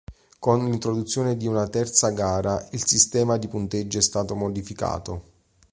Con l'introduzione di una terza gara il sistema di punteggio è stato modificato.